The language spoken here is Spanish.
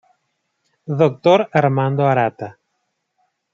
Dr. Armando Arata.